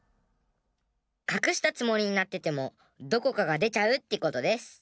かくしたつもりになっててもどこかがでちゃうってことデス。